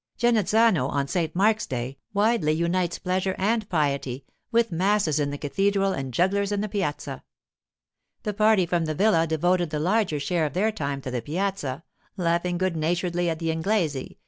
Genazzano, on St Mark's day, wisely unites pleasure and piety, with masses in the cathedral and jugglers in the piazza. The party from the villa devoted the larger share of their time to the piazza, laughing good naturedly at the 'Inglese!